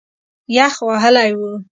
یخ وهلی و.